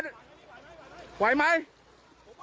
ผมว่าร้อยตัวมาช่วยดีกว่าครับ